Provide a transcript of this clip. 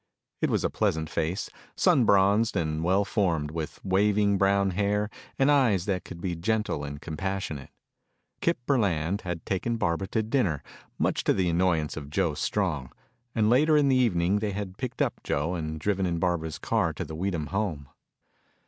It was a pleasant face, sun bronzed and well formed, with waving brown hair and eyes that could be gentle and compassionate. Kip Burland had taken Barbara to dinner, much to the annoyance of Joe Strong, and later in the evening they had picked up Joe and driven in Barbara's car to the Weedham home.